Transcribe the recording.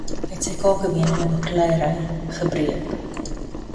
Hy het sy kakebeen in 'n bakleiery gebreek.